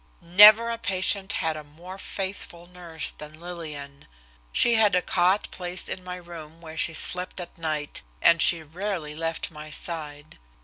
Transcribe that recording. Never patient had a more faithful nurse than Lillian. She had a cot placed in my room where she slept at night, and she rarely left my side.